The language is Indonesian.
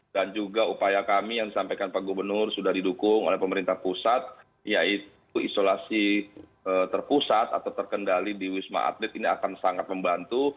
dan juga upaya kami yang disampaikan pak gubernur sudah didukung oleh pemerintah pusat yaitu isolasi terpusat atau terkendali di wisma atlet ini akan sangat membantu